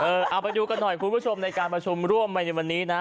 เอาไปดูกันหน่อยคุณผู้ชมในการประชุมร่วมในวันนี้นะ